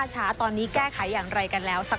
จุวิทย์ตีแสดหน้า